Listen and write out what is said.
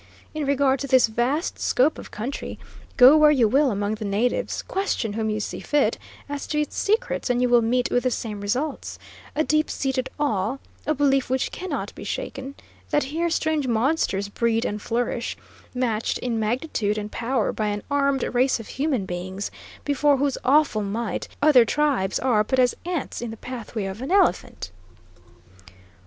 In regard to this vast scope of country, go where you will among the natives, question whom you see fit, as to its secrets, and you will meet with the same results: a deep seated awe, a belief which cannot be shaken, that here strange monsters breed and flourish, matched in magnitude and power by an armed race of human beings, before whose awful might other tribes are but as ants in the pathway of an elephant."